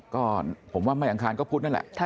ก็ผมว่าไม่อังคารก็พุธนั่นแหละ